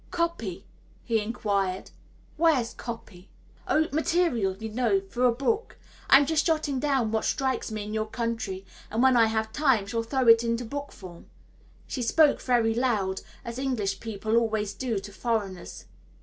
"Copy" he inquired, "Where's copy?" "Oh material, you know, for a book. I'm just jotting down what strikes me in your country, and when I have time shall throw it into book form." She spoke very loud, as English people always do to foreigners.